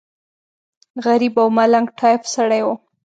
غریب او ملنګ ټایف سړی و.